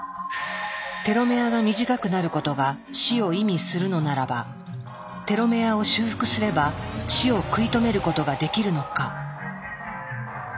テロメアが短くなることが死を意味するのならばテロメアを修復すれば死を食い止めることができるのか。